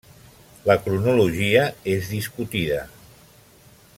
La cronologia és discutida.